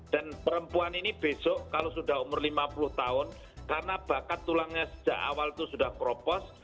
dan perempuan ini besok kalau sudah umur lima puluh tahun karena bahkan tulangnya sejak awal itu sudah keropos